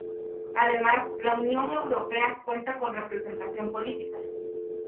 Además, la Unión Europea cuenta con representación política.